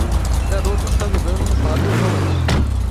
Garota está jogando no parque em um balanço.